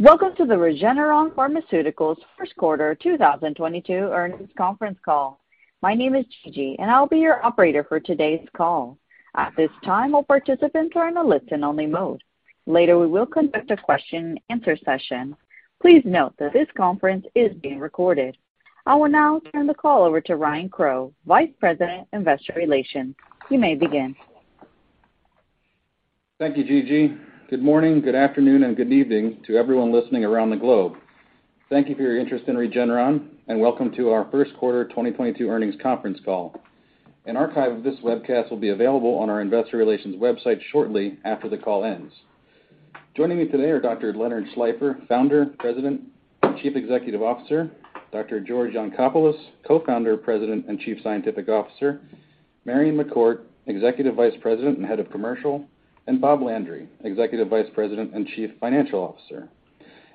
Welcome to the Regeneron Pharmaceuticals Q1 2022 earnings conference call. My name is Gigi, and I'll be your operator for today's call. At this time, all participants are in a listen-only mode. Later, we will conduct a question and answer session. Please note that this conference is being recorded. I will now turn the call over to Ryan Crowe, Vice President, Investor Relations. You may begin. Thank you, Gigi. Good morning, good afternoon, and good evening to everyone listening around the globe. Thank you for your interest in Regeneron, and welcome to our Q1 2022 earnings conference call. An archive of this webcast will be available on our investor relations website shortly after the call ends. Joining me today are Dr. Leonard Schleifer, Founder, President, and Chief Executive Officer, Dr. George Yancopoulos, Co-founder, President, and Chief Scientific Officer, Marion McCourt, Executive Vice President and Head of Commercial, and Robert Landry, Executive Vice President and Chief Financial Officer.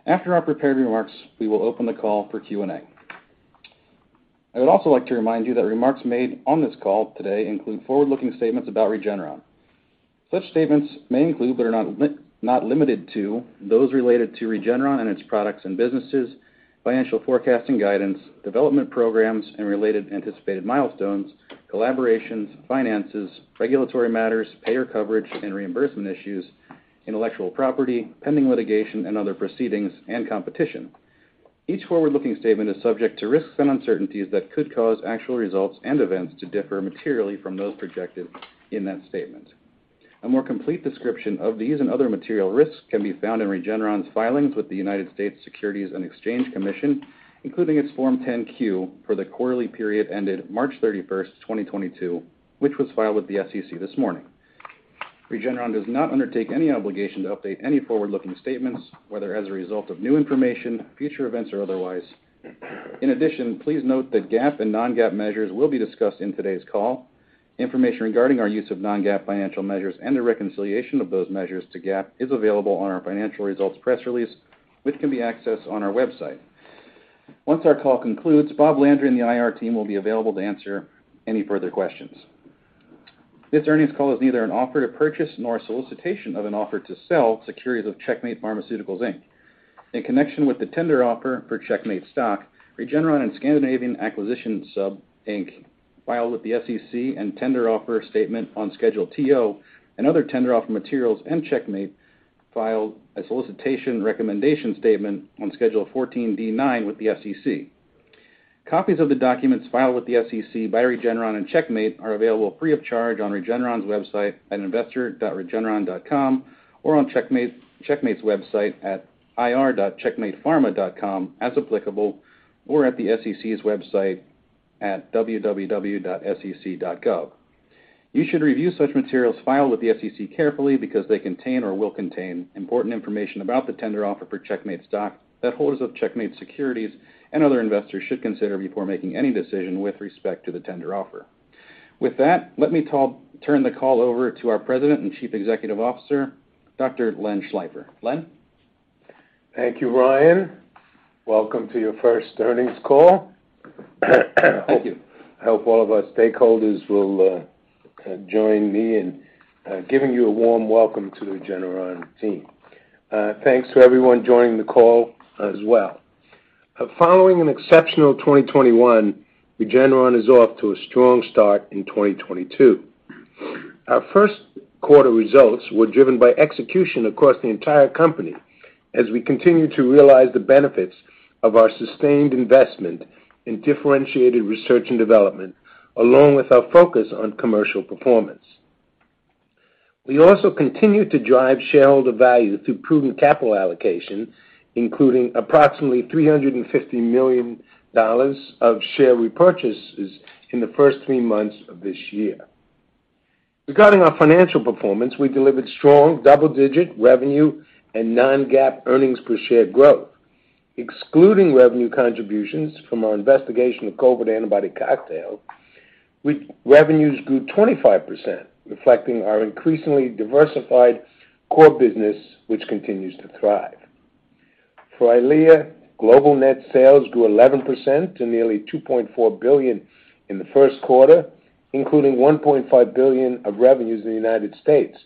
After our prepared remarks, we will open the call for Q&A. I would also like to remind you that remarks made on this call today include forward-looking statements about Regeneron. Such statements may include, but are not limited to, those related to Regeneron and its products and businesses, financial forecasting guidance, development programs and related anticipated milestones, collaborations, finances, regulatory matters, payer coverage and reimbursement issues, intellectual property, pending litigation and other proceedings, and competition. Each forward-looking statement is subject to risks and uncertainties that could cause actual results and events to differ materially from those projected in that statement. A more complete description of these and other material risks can be found in Regeneron's filings with the U.S. Securities and Exchange Commission, including its Form 10-Q for the quarterly period ended March 31, 2022, which was filed with the SEC this morning. Regeneron does not undertake any obligation to update any forward-looking statements, whether as a result of new information, future events, or otherwise. In addition, please note that GAAP and non-GAAP measures will be discussed in today's call. Information regarding our use of non-GAAP financial measures and the reconciliation of those measures to GAAP is available on our financial results press release, which can be accessed on our website. Once our call concludes, Bob Landry and the IR team will be available to answer any further questions. This earnings call is neither an offer to purchase nor a solicitation of an offer to sell securities of Checkmate Pharmaceuticals, Inc. In connection with the tender offer for Checkmate's stock, Regeneron and Scandinavian Acquisition Sub, Inc. filed with the SEC a tender offer statement on Schedule TO and other tender offer materials, and Checkmate filed a solicitation recommendation statement on Schedule 14D-9 with the SEC. Copies of the documents filed with the SEC by Regeneron and Checkmate Pharmaceuticals are available free of charge on Regeneron's website at investor.regeneron.com or on Checkmate Pharmaceuticals' website at ir.checkmatepharma.com, as applicable, or at the SEC's website at www.sec.gov. You should review such materials filed with the SEC carefully because they contain or will contain important information about the tender offer for Checkmate Pharmaceuticals' stock that holders of Checkmate Pharmaceuticals securities and other investors should consider before making any decision with respect to the tender offer. With that, let me turn the call over to our President and Chief Executive Officer, Dr. Len Schleifer. Len? Thank you, Ryan. Welcome to your first earnings call. Thank you. I hope all of our stakeholders will join me in giving you a warm welcome to the Regeneron team. Thanks to everyone joining the call as well. Following an exceptional 2021, Regeneron is off to a strong start in 2022. Our Q1 results were driven by execution across the entire company as we continue to realize the benefits of our sustained investment in differentiated research and development, along with our focus on commercial performance. We also continue to drive shareholder value through prudent capital allocation, including approximately $350 million of share repurchases in the first three months of this year. Regarding our financial performance, we delivered strong double-digit revenue and non-GAAP earnings per share growth. Excluding revenue contributions from our investigational COVID antibody cocktail, revenues grew 25%, reflecting our increasingly diversified core business, which continues to thrive. For EYLEA, global net sales grew 11% to nearly $2.4 billion in the Q1, including $1.5 billion of revenues in the United States,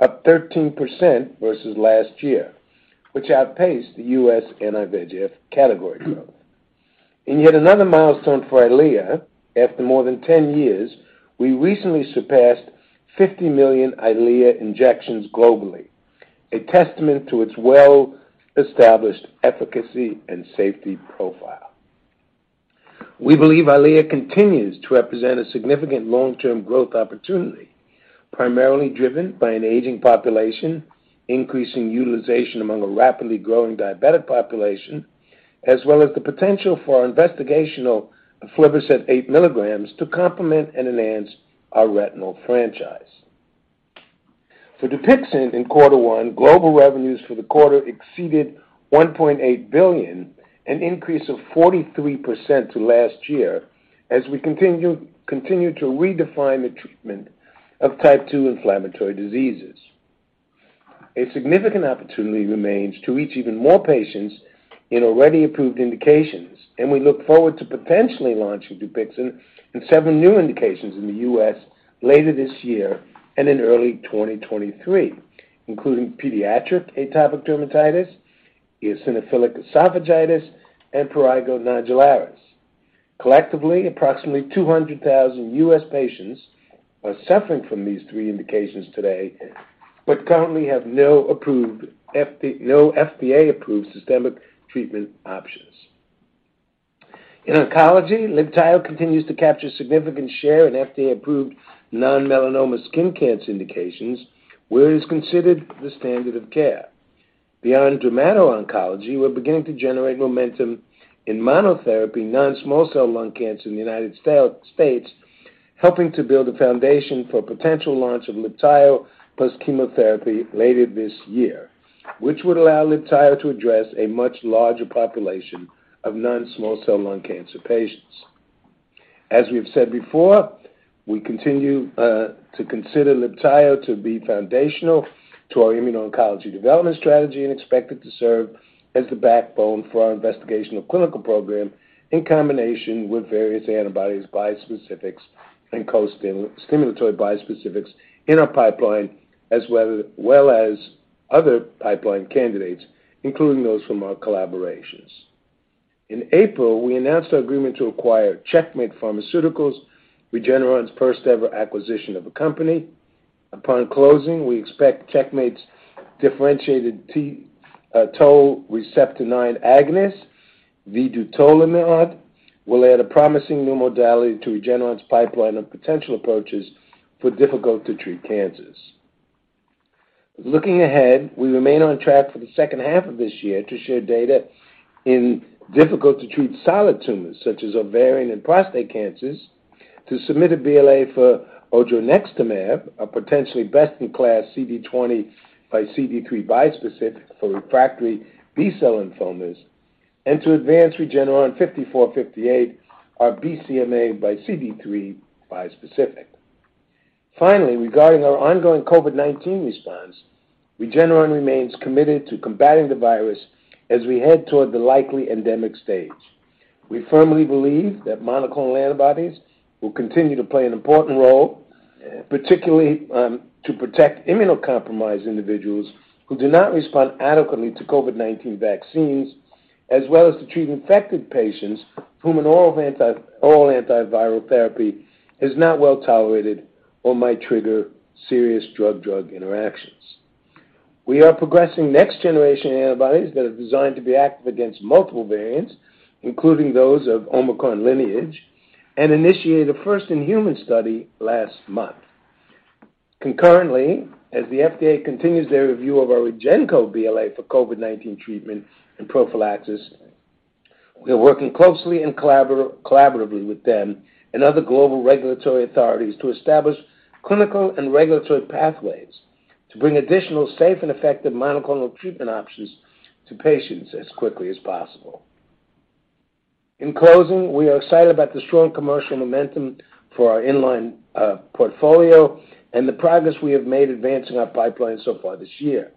up 13% versus last year, which outpaced the U.S. anti-VEGF category growth. In yet another milestone for EYLEA, after more than 10 years, we recently surpassed 50 million EYLEA injections globally, a testament to its well-established efficacy and safety profile. We believe EYLEA continues to represent a significant long-term growth opportunity, primarily driven by an aging population, increasing utilization among a rapidly growing diabetic population, as well as the potential for investigational aflibercept 8 mg to complement and enhance our retinal franchise. For DUPIXENT in quarter one, global revenues for the quarter exceeded $1.8 billion, an increase of 43% versus last year as we continue to redefine the treatment of type 2 inflammatory diseases. A significant opportunity remains to reach even more patients in already approved indications, and we look forward to potentially launching DUPIXENT in several new indications in the U.S. later this year and in early 2023, including pediatric atopic dermatitis, eosinophilic esophagitis, and prurigo nodularis. Collectively, approximately 200,000 U.S. patients are suffering from these three indications today, but currently have no FDA-approved systemic treatment options. In oncology, Libtayo continues to capture significant share in FDA-approved non-melanoma skin cancer indications, where it is considered the standard of care. Beyond dermato-oncology, we're beginning to generate momentum in monotherapy non-small cell lung cancer in the United States, helping to build a foundation for potential launch of Libtayo plus chemotherapy later this year, which would allow Libtayo to address a much larger population of non-small cell lung cancer patients. As we have said before, we continue to consider Libtayo to be foundational to our immuno-oncology development strategy and expect it to serve as the backbone for our investigational clinical program in combination with various antibodies, bispecifics, and co-stimulatory bispecifics in our pipeline, as well as other pipeline candidates, including those from our collaborations. In April, we announced our agreement to acquire Checkmate Pharmaceuticals, Regeneron's first-ever acquisition of a company. Upon closing, we expect Checkmate's differentiated toll receptor nine agonist, vidutolimod, will add a promising new modality to Regeneron's pipeline of potential approaches for difficult-to-treat cancers. Looking ahead, we remain on track for the H2 of this year to share data in difficult-to-treat solid tumors, such as ovarian and prostate cancers, to submit a BLA for odronextamab, a potentially best-in-class CD20 by CD3 bispecific for refractory B-cell lymphomas, and to advance REGN5458, our BCMA by CD3 bispecific. Finally, regarding our ongoing COVID-19 response, Regeneron remains committed to combating the virus as we head toward the likely endemic stage. We firmly believe that monoclonal antibodies will continue to play an important role, particularly, to protect immunocompromised individuals who do not respond adequately to COVID-19 vaccines, as well as to treat infected patients for whom an oral antiviral therapy is not well tolerated or might trigger serious drug-drug interactions. We are progressing next-generation antibodies that are designed to be active against multiple variants, including those of Omicron lineage, and initiated a first-in-human study last month. Concurrently, as the FDA continues their review of our REGEN-COV BLA for COVID-19 treatment and prophylaxis, we are working closely and collaboratively with them and other global regulatory authorities to establish clinical and regulatory pathways to bring additional safe and effective monoclonal treatment options to patients as quickly as possible. In closing, we are excited about the strong commercial momentum for our in-line portfolio and the progress we have made advancing our pipeline so far this year.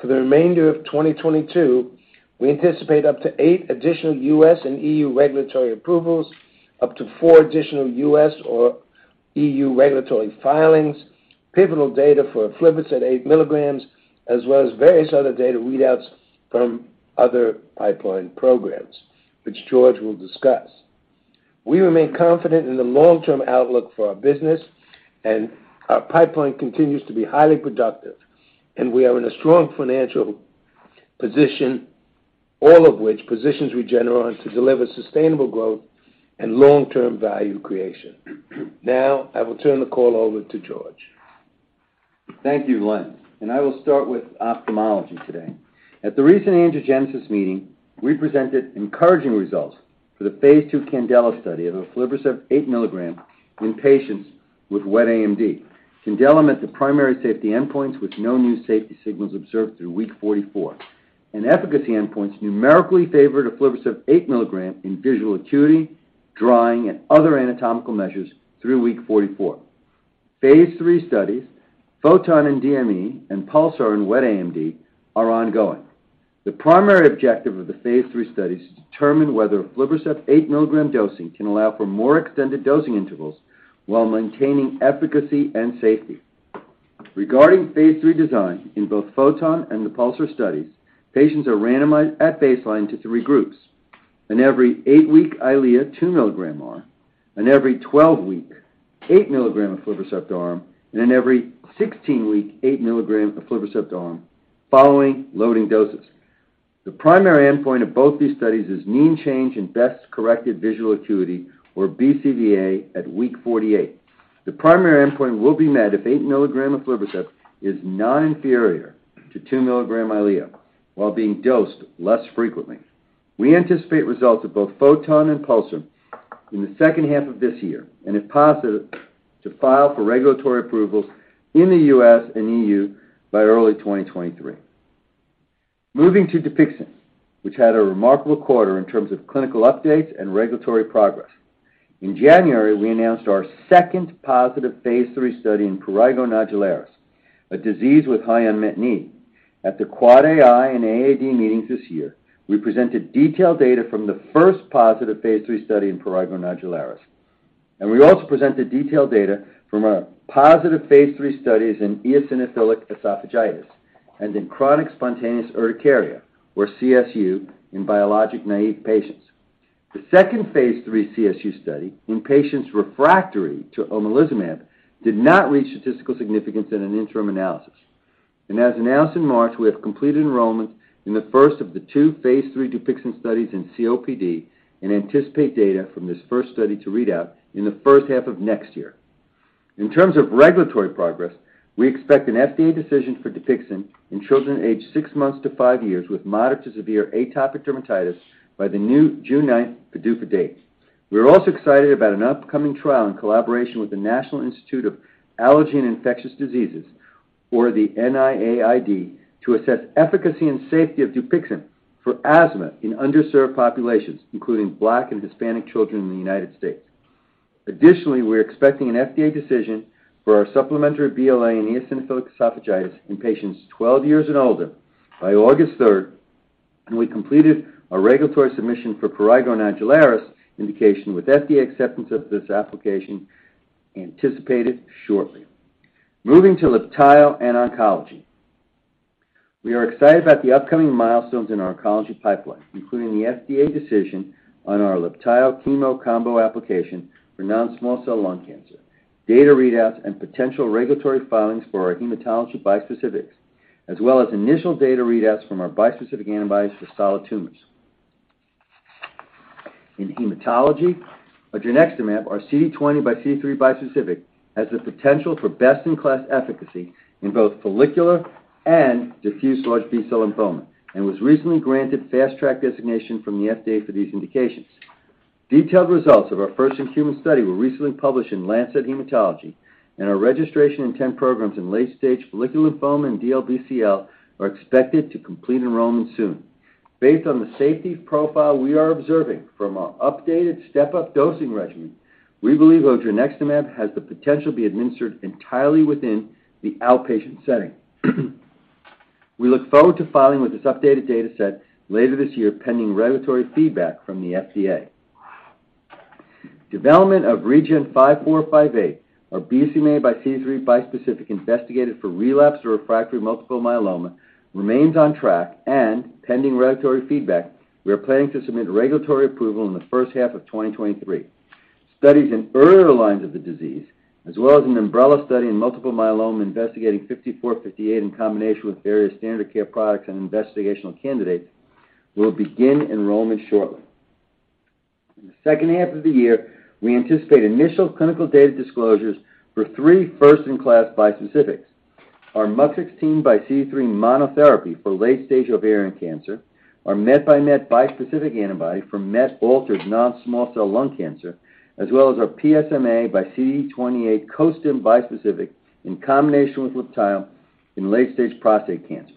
For the remainder of 2022, we anticipate up to eight additional U.S. and EU regulatory approvals, up to four additional U.S. or EU regulatory filings, pivotal data for aflibercept 8 mg, as well as various other data readouts from other pipeline programs, which George will discuss. We remain confident in the long-term outlook for our business, and our pipeline continues to be highly productive, and we are in a strong financial position, all of which positions Regeneron to deliver sustainable growth and long-term value creation. Now, I will turn the call over to George. Thank you, Len. I will start with ophthalmology today. At the recent Angiogenesis meeting, we presented encouraging results for the phase II CANDELA study of aflibercept 8 milligrams in patients with wet AMD. CANDELA met the primary safety endpoints with no new safety signals observed through week 44, and efficacy endpoints numerically favored aflibercept 8 mg in visual acuity, drying, and other anatomical measures through week 44. Phase III studies, PHOTON in DME and PULSAR in wet AMD, are ongoing. The primary objective of the phase III study is to determine whether aflibercept 8 mg dosing can allow for more extended dosing intervals while maintaining efficacy and safety. Regarding phase III design in both PHOTON and the PULSAR studies, patients are randomized at baseline to three groups: an every 8-week EYLEA 2 mg arm, an every 12-week 8 mg aflibercept arm, and an every 16-week 8 mg aflibercept arm following loading doses. The primary endpoint of both these studies is mean change in best-corrected visual acuity, or BCVA, at week 48. The primary endpoint will be met if 8 mg aflibercept is non-inferior to 2 mg EYLEA while being dosed less frequently. We anticipate results of both PHOTON and PULSAR in the H2 of this year and, if positive, to file for regulatory approvals in the U.S. and E.U. by early 2023. Moving to DUPIXENT, which had a remarkable quarter in terms of clinical updates and regulatory progress. In January, we announced our second positive phase III study in prurigo nodularis, a disease with high unmet need. At the AAAAI and AAD meetings this year, we presented detailed data from the first positive phase III study in prurigo nodularis, and we also presented detailed data from our positive phase III studies in eosinophilic esophagitis and in chronic spontaneous urticaria, or CSU, in biologic-naive patients. The second phase III CSU study in patients refractory to omalizumab did not reach statistical significance in an interim analysis. As announced in March, we have completed enrollment in the first of the two phase III Dupixent studies in COPD and anticipate data from this first study to read out in the H1 of next year. In terms of regulatory progress, we expect an FDA decision for Dupixent in children aged six months to five years with moderate to severe atopic dermatitis by the new June ninth PDUFA date. We are also excited about an upcoming trial in collaboration with the National Institute of Allergy and Infectious Diseases, or the NIAID, to assess efficacy and safety of DUPIXENT for asthma in underserved populations, including Black and Hispanic children in the United States. Additionally, we're expecting an FDA decision for our supplementary BLA in eosinophilic esophagitis in patients 12 years and older by August third, and we completed a regulatory submission for prurigo nodularis indication with FDA acceptance of this application anticipated shortly. Moving to Libtayo and oncology. We are excited about the upcoming milestones in our oncology pipeline, including the FDA decision on our Libtayo chemo combo application for non-small cell lung cancer, data readouts, and potential regulatory filings for our hematology bispecifics, as well as initial data readouts from our bispecific antibodies for solid tumors. In hematology, odronextamab, our CD20xCD3 bispecific, has the potential for best-in-class efficacy in both follicular and diffuse large B-cell lymphoma and was recently granted Fast Track designation from the FDA for these indications. Detailed results of our first-in-human study were recently published in The Lancet Haematology, and our registration intent programs in late-stage follicular lymphoma and DLBCL are expected to complete enrollment soon. Based on the safety profile we are observing from our updated step-up dosing regimen, we believe odronextamab has the potential to be administered entirely within the outpatient setting. We look forward to filing with this updated data set later this year, pending regulatory feedback from the FDA. Development of REGN5458, our BCMAxCD3 bispecific investigated for relapsed or refractory multiple myeloma, remains on track, and pending regulatory feedback, we are planning to submit regulatory approval in the H1 of 2023. Studies in earlier lines of the disease, as well as an umbrella study in multiple myeloma investigating 5458 in combination with various standard care products and investigational candidates, will begin enrollment shortly. In the H2 of the year, we anticipate initial clinical data disclosures for three first-in-class bispecifics, our MUC16xCD3 monotherapy for late-stage ovarian cancer, our METxMET bispecific antibody for MET-altered non-small cell lung cancer, as well as our PSMAxCD28 costim bispecific in combination with Libtayo in late-stage prostate cancers.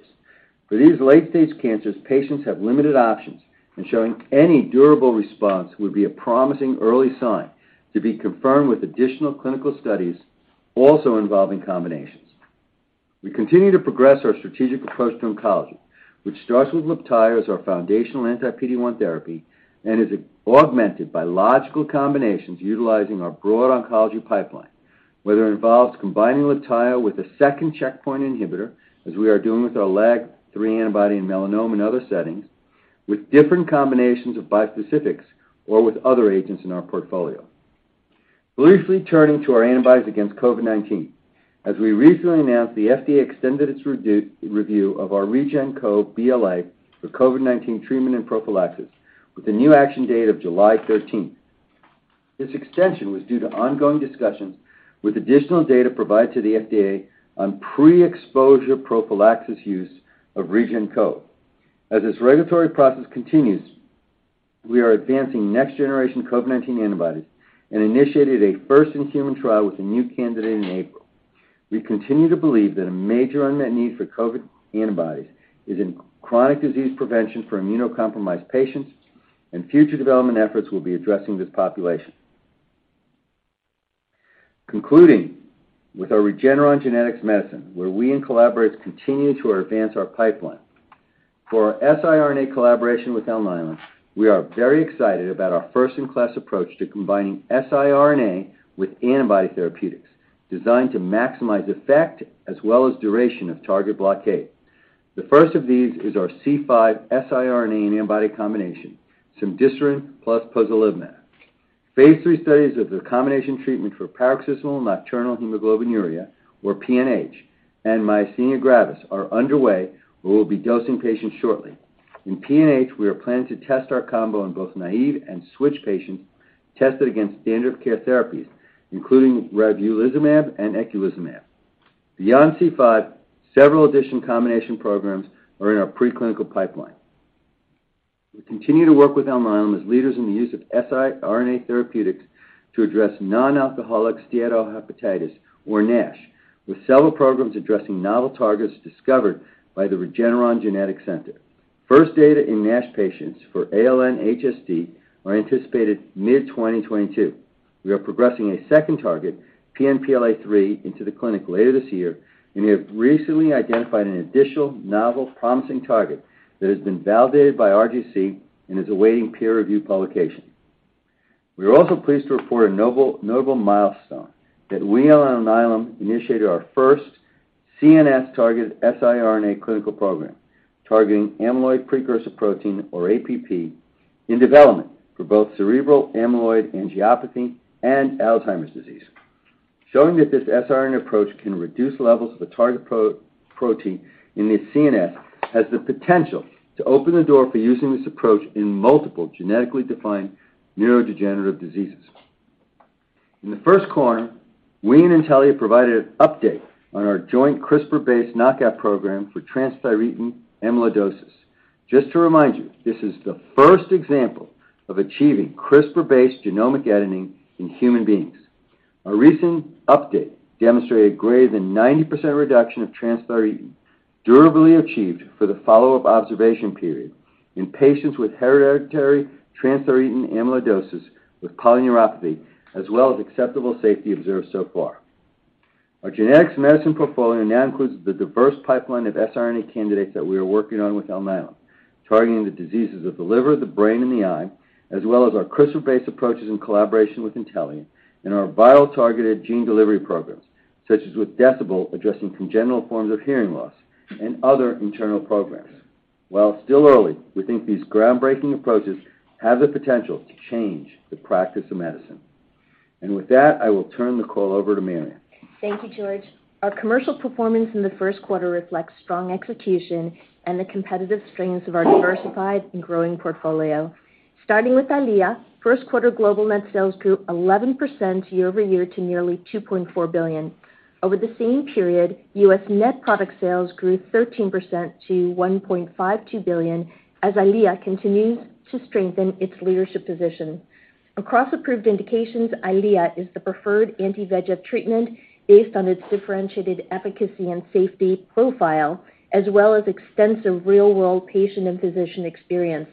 For these late-stage cancers, patients have limited options, and showing any durable response would be a promising early sign to be confirmed with additional clinical studies also involving combinations. We continue to progress our strategic approach to oncology, which starts with Libtayo as our foundational anti-PD-1 therapy and is augmented by logical combinations utilizing our broad oncology pipeline, whether it involves combining Libtayo with a second checkpoint inhibitor, as we are doing with our LAG-3 antibody in melanoma and other settings, with different combinations of bispecifics or with other agents in our portfolio. Briefly turning to our antibodies against COVID-19. As we recently announced, the FDA extended its review of our REGEN-COV BLA for COVID-19 treatment and prophylaxis, with a new action date of July thirteenth. This extension was due to ongoing discussions with additional data provided to the FDA on pre-exposure prophylaxis use of REGEN-COV. As this regulatory process continues, we are advancing next-generation COVID-19 antibodies and initiated a first-in-human trial with a new candidate in April. We continue to believe that a major unmet need for COVID antibodies is in chronic disease prevention for immunocompromised patients, and future development efforts will be addressing this population. Concluding with our Regeneron Genetics Medicine, where we and collaborators continue to advance our pipeline. For our siRNA collaboration with Alnylam, we are very excited about our first-in-class approach to combining siRNA with antibody therapeutics designed to maximize effect as well as duration of target blockade. The first of these is our C5 siRNA and antibody combination, cemdisiran plus pozelimab. phase III studies of the combination treatment for paroxysmal nocturnal hemoglobinuria, or PNH, and myasthenia gravis are underway. We will be dosing patients shortly. In PNH, we are planning to test our combo on both naive and switch patients tested against standard of care therapies, including ravulizumab and eculizumab. Beyond C5, several additional combination programs are in our preclinical pipeline. We continue to work with Alnylam as leaders in the use of siRNA therapeutics to address nonalcoholic steatohepatitis, or NASH, with several programs addressing novel targets discovered by the Regeneron Genetics Center. First data in NASH patients for ALN-HSD are anticipated mid-2022. We are progressing a second target, PNPLA3, into the clinic later this year, and we have recently identified an additional novel promising target that has been validated by RGC and is awaiting peer review publication. We are also pleased to report a novel milestone that we and Alnylam initiated our first CNS-targeted siRNA clinical program, targeting amyloid precursor protein or APP in development for both cerebral amyloid angiopathy and Alzheimer's disease. Showing that this siRNA approach can reduce levels of the target pro-protein in the CNS has the potential to open the door for using this approach in multiple genetically defined neurodegenerative diseases. In the Q1, we and Intellia provided an update on our joint CRISPR-based knockout program for transthyretin amyloidosis. Just to remind you, this is the first example of achieving CRISPR-based genomic editing in human beings. Our recent update demonstrated greater than 90% reduction of transthyretin durably achieved for the follow-up observation period in patients with hereditary transthyretin amyloidosis with polyneuropathy as well as acceptable safety observed so far. Our genetics medicine portfolio now includes the diverse pipeline of siRNA candidates that we are working on with Alnylam, targeting the diseases of the liver, the brain, and the eye, as well as our CRISPR-based approaches in collaboration with Intellia and our viral-targeted gene delivery programs, such as with Decibel, addressing congenital forms of hearing loss and other internal programs. While still early, we think these groundbreaking approaches have the potential to change the practice of medicine. With that, I will turn the call over to Marion. Thank you, George. Our commercial performance in the Q1 reflects strong execution and the competitive strengths of our diversified and growing portfolio. Starting with EYLEA,Q1 global net sales grew 11% year-over-year to nearly $2.4 billion. Over the same period, U.S. net product sales grew 13% to $1.52 billion as EYLEA continues to strengthen its leadership position. Across approved indications, EYLEA is the preferred anti-VEGF treatment based on its differentiated efficacy and safety profile, as well as extensive real-world patient and physician experience.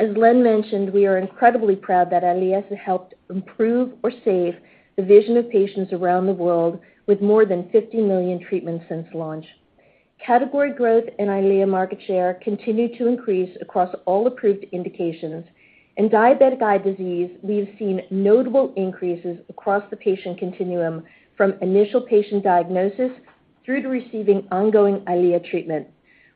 As Len mentioned, we are incredibly proud that EYLEA has helped improve or save the vision of patients around the world with more than 50 million treatments since launch. Category growth in EYLEA market share continued to increase across all approved indications. In diabetic eye disease, we have seen notable increases across the patient continuum from initial patient diagnosis through to receiving ongoing EYLEA treatment.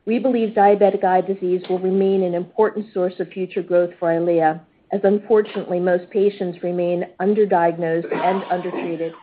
We believe diabetic eye disease will remain an important source of future growth for EYLEA, as unfortunately, most patients remain underdiagnosed and undertreated.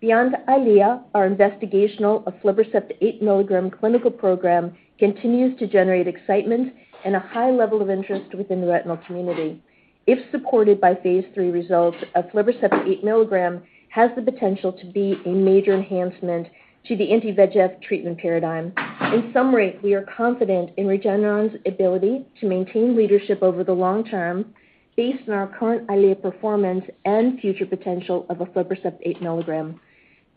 Beyond EYLEA, our investigational aflibercept eight milligram clinical program continues to generate excitement and a high level of interest within the retinal community. If supported by phase III results, aflibercept eight milligram has the potential to be a major enhancement to the anti-VEGF treatment paradigm. In summary, we are confident in Regeneron's ability to maintain leadership over the long term based on our current EYLEA performance and future potential of aflibercept eight milligram.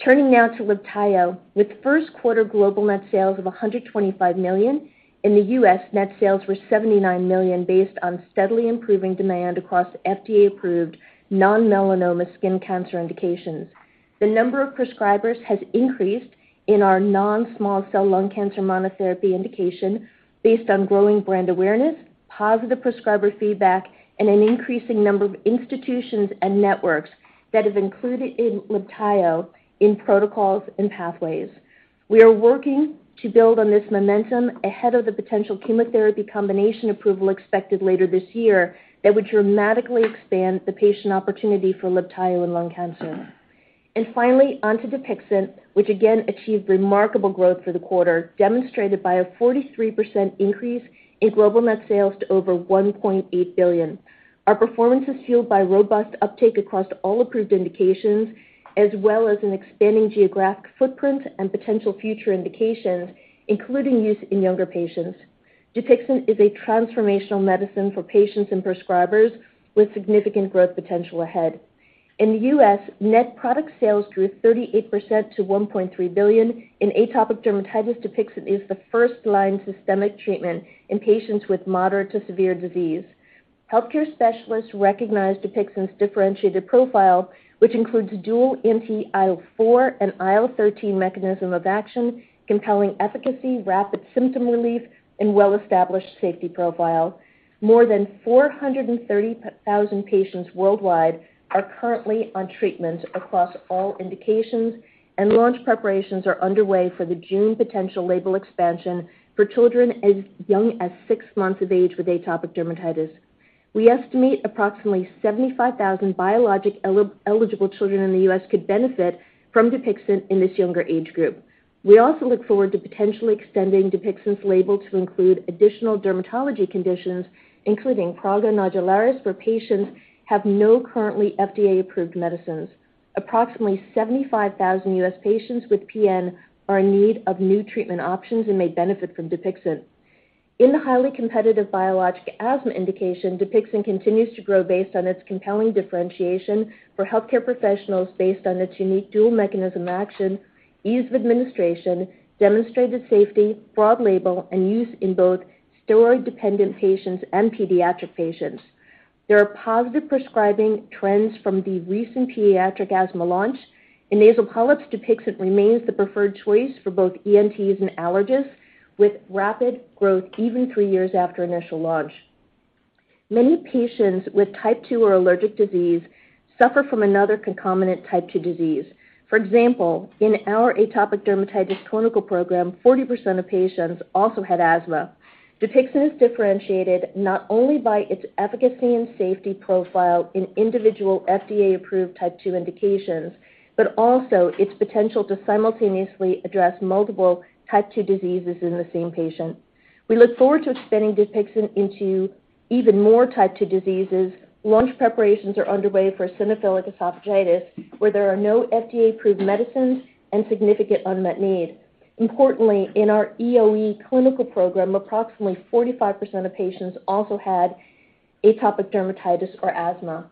Turning now to Libtayo with Q1 global net sales of $125 million. In the U.S., net sales were $79 million based on steadily improving demand across FDA-approved non-melanoma skin cancer indications. The number of prescribers has increased in our non-small cell lung cancer monotherapy indication based on growing brand awareness, positive prescriber feedback, and an increasing number of institutions and networks that have included Libtayo in protocols and pathways. We are working to build on this momentum ahead of the potential chemotherapy combination approval expected later this year that would dramatically expand the patient opportunity for Libtayo in lung cancer. Finally, onto DUPIXENT, which again achieved remarkable growth for the quarter, demonstrated by a 43% increase in global net sales to over $1.8 billion. Our performance is fueled by robust uptake across all approved indications, as well as an expanding geographic footprint and potential future indications, including use in younger patients. DUPIXENT is a transformational medicine for patients and prescribers with significant growth potential ahead. In the U.S., net product sales grew 38% to $1.3 billion. In atopic dermatitis, DUPIXENT is the first line systemic treatment in patients with moderate to severe disease. Healthcare specialists recognize DUPIXENT's differentiated profile, which includes dual anti-IL-4 and IL-13 mechanism of action, compelling efficacy, rapid symptom relief, and well-established safety profile. More than 430,000 patients worldwide are currently on treatment across all indications, and launch preparations are underway for the June potential label expansion for children as young as six months of age with atopic dermatitis. We estimate approximately 75,000 biologic-eligible children in the U.S. could benefit from DUPIXENT in this younger age group. We also look forward to potentially extending DUPIXENT's label to include additional dermatology conditions, including prurigo nodularis, where patients have no currently FDA-approved medicines. Approximately 75,000 U.S. patients with PN are in need of new treatment options and may benefit from DUPIXENT. In the highly competitive biologic asthma indication, DUPIXENT continues to grow based on its compelling differentiation for healthcare professionals based on its unique dual mechanism of action, ease of administration, demonstrated safety, broad label, and use in both steroid-dependent patients and pediatric patients. There are positive prescribing trends from the recent pediatric asthma launch. In nasal polyps, DUPIXENT remains the preferred choice for both ENTs and allergists, with rapid growth even three years after initial launch. Many patients with type 2 or allergic disease suffer from another concomitant type 2 disease. For example, in our atopic dermatitis clinical program, 40% of patients also had asthma. DUPIXENT is differentiated not only by its efficacy and safety profile in individual FDA-approved type two indications, but also its potential to simultaneously address multiple type two diseases in the same patient. We look forward to expanding DUPIXENT into even more type two diseases. Launch preparations are underway for eosinophilic esophagitis, where there are no FDA-approved medicines and significant unmet need. Importantly, in our EoE clinical program, approximately 45% of patients also had atopic dermatitis or asthma.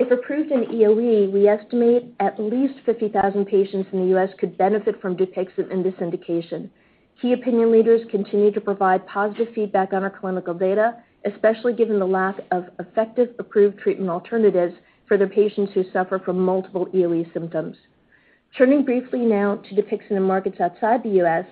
If approved in EoE, we estimate at least 50,000 patients in the U.S. could benefit from DUPIXENT in this indication. Key opinion leaders continue to provide positive feedback on our clinical data, especially given the lack of effective approved treatment alternatives for the patients who suffer from multiple EoE symptoms. Turning briefly now to DUPIXENT in markets outside the U.S.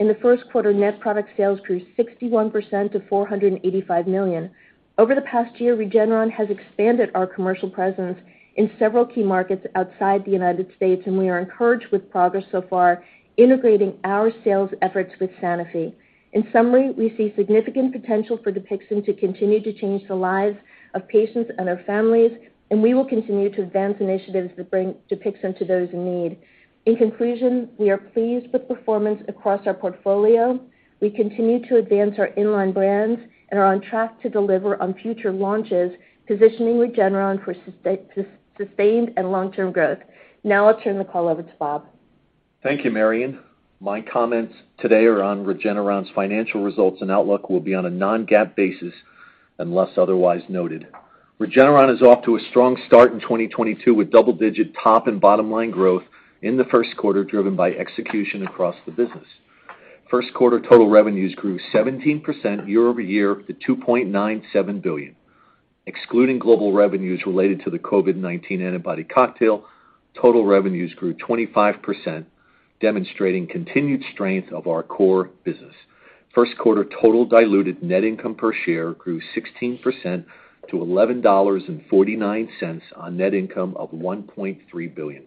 In the Q1, net product sales grew 61% to $485 million. Over the past year, Regeneron has expanded our commercial presence in several key markets outside the United States, and we are encouraged with progress so far, integrating our sales efforts with Sanofi. In summary, we see significant potential for DUPIXENT to continue to change the lives of patients and their families, and we will continue to advance initiatives that bring DUPIXENT to those in need. In conclusion, we are pleased with performance across our portfolio. We continue to advance our in-line brands and are on track to deliver on future launches, positioning Regeneron for sustained and long-term growth. Now I'll turn the call over to Bob. Thank you, Marion. My comments today are on Regeneron's financial results, and outlook will be on a non-GAAP basis unless otherwise noted. Regeneron is off to a strong start in 2022, with double-digit top and bottom-line growth in the Q1, driven by execution across the business. Q1 total revenues grew 17% year-over-year to $2.97 billion. Excluding global revenues related to the COVID-19 antibody cocktail, total revenues grew 25%, demonstrating continued strength of our core business. Q1 total diluted net income per share grew 16% to $11.49 on net income of $1.3 billion.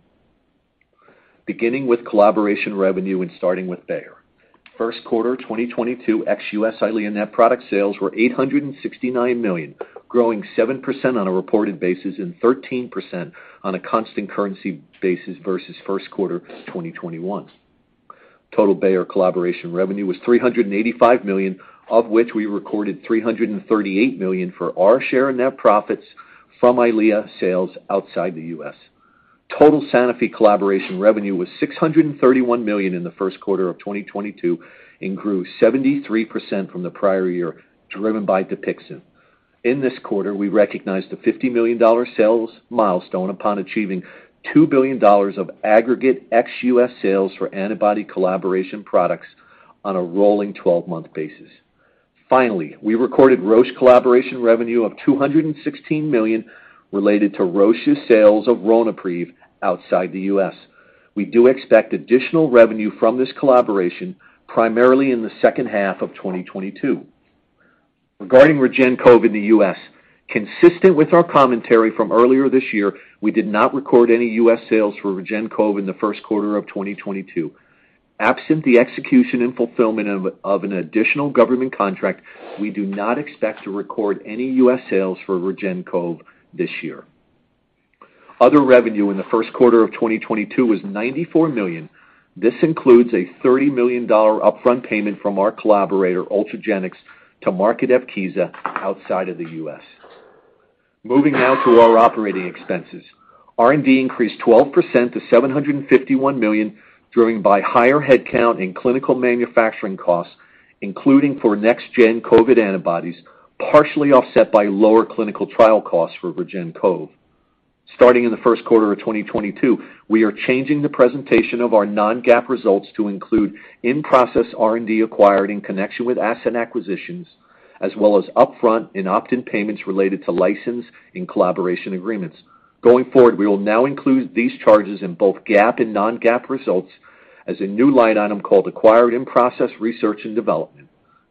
Beginning with collaboration revenue and starting with Bayer. Q1 2022 ex-US EYLEA net product sales were $869 million, growing 7% on a reported basis and 13% on a constant currency basis versus Q1 2021. Total Bayer collaboration revenue was $385 million, of which we recorded $338 million for our share in net profits from EYLEA sales outside the US. Total Sanofi collaboration revenue was $631 million in the Q1 of 2022 and grew 73% from the prior year, driven by DUPIXENT. In this quarter, we recognized a $50 million sales milestone upon achieving $2 billion of aggregate ex-US sales for antibody collaboration products on a rolling twelve-month basis. Finally, we recorded Roche collaboration revenue of $216 million related to Roche's sales of Ronapreve outside the US. We do expect additional revenue from this collaboration primarily in the H2 of 2022. Regarding REGEN-COV in the U.S., consistent with our commentary from earlier this year, we did not record any U.S. sales for REGEN-COV in the Q1 of 2022. Absent the execution and fulfillment of an additional government contract, we do not expect to record any U.S. sales for REGEN-COV this year. Other revenue in the Q1 of 2022 was $94 million. This includes a $30 million upfront payment from our collaborator, Ultragenyx, to market Evkeeza outside of the U.S. Moving now to our operating expenses. R&D increased 12% to $751 million, driven by higher headcount and clinical manufacturing costs, including for next-gen COVID antibodies, partially offset by lower clinical trial costs for REGEN-COV. Starting in the Q1 of 2022, we are changing the presentation of our non-GAAP results to include in-process R&D acquired in connection with asset acquisitions, as well as upfront and opt-in payments related to license and collaboration agreements. Going forward, we will now include these charges in both GAAP and non-GAAP results as a new line item called acquired in-process research and development.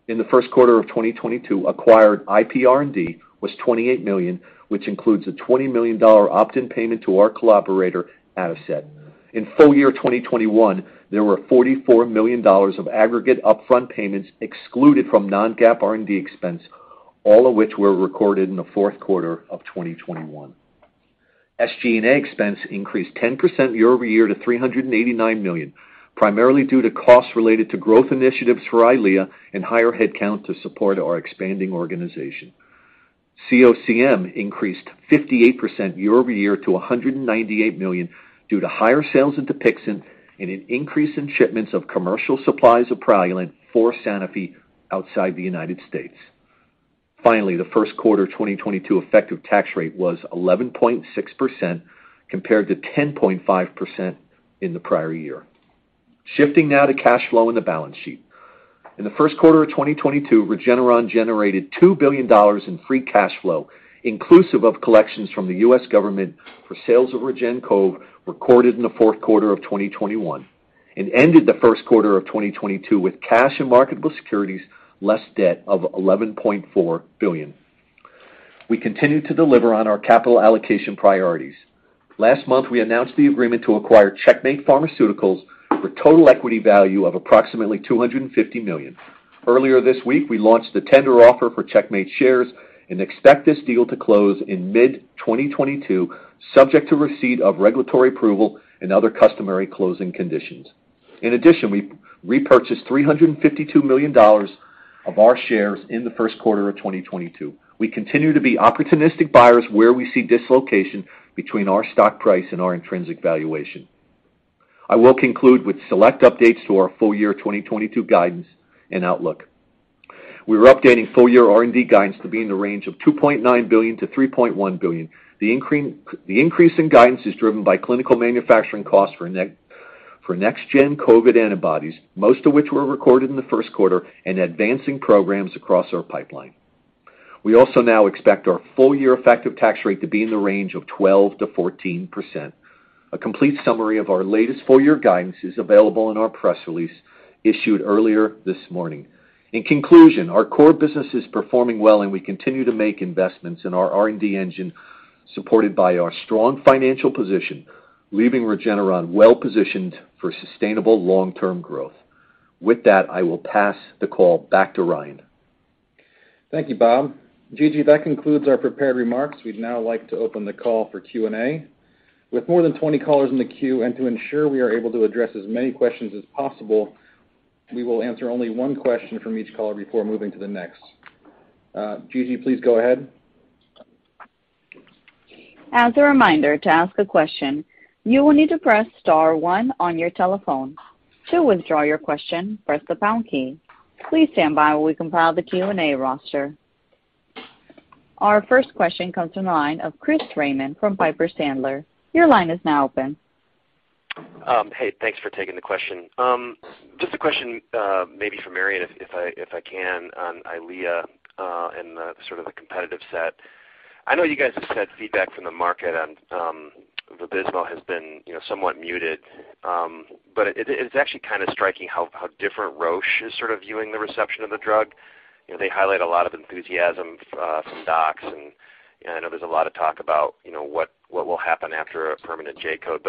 In the Q1 of 2022, acquired IP R&D was $28 million, which includes a $20 million opt-in payment to our collaborator, Adicet. In full year 2021, there were $44 million of aggregate upfront payments excluded from non-GAAP R&D expense, all of which were recorded in the Q4 of 2021. SG&A expense increased 10% year-over-year to $389 million, primarily due to costs related to growth initiatives for EYLEA and higher headcount to support our expanding organization. COCM increased 58% year-over-year to $198 million due to higher sales of DUPIXENT and an increase in shipments of commercial supplies of Praluent for Sanofi outside the United States. Finally, the Q1 2022 effective tax rate was 11.6% compared to 10.5% in the prior year. Shifting now to cash flow and the balance sheet. In the Q1 of 2022, Regeneron generated $2 billion in free cash flow, inclusive of collections from the U.S. government for sales of REGEN-COV recorded in the Q4 of 2021, and ended the Q1 of 2022 with cash and marketable securities less debt of $11.4 billion. We continue to deliver on our capital allocation priorities. Last month, we announced the agreement to acquire Checkmate Pharmaceuticals for total equity value of approximately $250 million. Earlier this week, we launched a tender offer for Checkmate shares and expect this deal to close in mid-2022, subject to receipt of regulatory approval and other customary closing conditions. In addition, we repurchased $352 million of our shares in the Q1 of 2022. We continue to be opportunistic buyers where we see dislocation between our stock price and our intrinsic valuation. I will conclude with select updates to our full year 2022 guidance and outlook. We are updating full year R&D guidance to be in the range of $2.9 billion-$3.1 billion. The increase in guidance is driven by clinical manufacturing costs for next gen COVID antibodies, most of which were recorded in the Q1, and advancing programs across our pipeline. We also now expect our full year effective tax rate to be in the range of 12%-14%. A complete summary of our latest full year guidance is available in our press release issued earlier this morning. In conclusion, our core business is performing well, and we continue to make investments in our R&D engine, supported by our strong financial position, leaving Regeneron well-positioned for sustainable long-term growth. With that, I will pass the call back to Ryan. Thank you, Bob. Gigi, that concludes our prepared remarks. We'd now like to open the call for Q&A. With more than 20 callers in the queue and to ensure we are able to address as many questions as possible, we will answer only one question from each caller before moving to the next. Gigi, please go ahead. As a reminder, to ask a question, you will need to press star one on your telephone. To withdraw your question, press the pound key. Please stand by while we compile the Q&A roster. Our first question comes from the line of Chris Raymond from Piper Sandler. Your line is now open. Hey, thanks for taking the question. Just a question, maybe for Marion, if I can on EYLEA and the sort of the competitive set. I know you guys have said feedback from the market on Vabysmo has been, you know, somewhat muted. It's actually kind of striking how different Roche is sort of viewing the reception of the drug. You know, they highlight a lot of enthusiasm from docs, and I know there's a lot of talk about, you know, what will happen after a permanent J-code.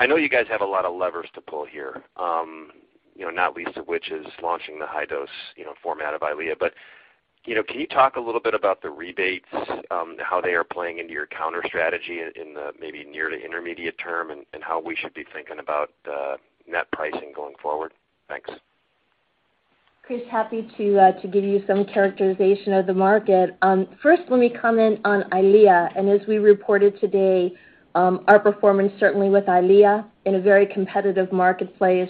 I know you guys have a lot of levers to pull here, you know, not least of which is launching the high dose, you know, format of EYLEA. You know, can you talk a little bit about the rebates, how they are playing into your counter strategy in the maybe near to intermediate term, and how we should be thinking about net pricing going forward? Thanks. Chris, happy to give you some characterization of the market. First, let me comment on EYLEA. As we reported today, our performance certainly with EYLEA in a very competitive marketplace